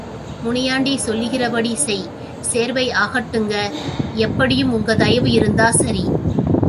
முனியாண்டி சொல்கிறபடி செய் சேர்வை ஆகட்டுங்க, எப்படியும் உங்க தயவு இருந்தா சரி.